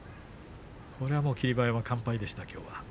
これはもう霧馬山は完敗でした。